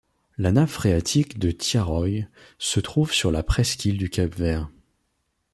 La nappe phréatique de Thiaroye se trouve sur la presqu'île du Cap-Vert.